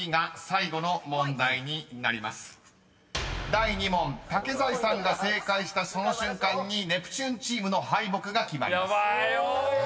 ［第２問竹財さんが正解したその瞬間にネプチューンチームの敗北が決まります］